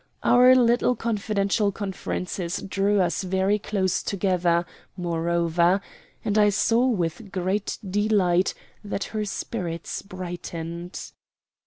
Our little confidential conferences drew us very close together, moreover, and I saw with great delight that her spirits brightened.